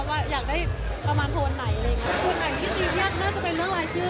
ว่าอยากได้ประมาณโทนไหม